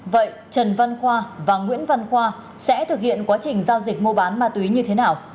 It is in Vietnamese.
vậy trần văn khoa và nguyễn văn khoa sẽ thực hiện quá trình giao dịch mua bán ma túy như thế nào